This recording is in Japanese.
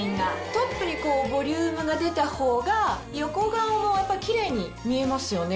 トップにボリュームが出た方が横顔もキレイに見えますよね。